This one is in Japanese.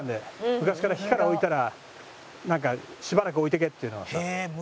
昔から火から置いたらなんかしばらく置いておけっていうのはさ。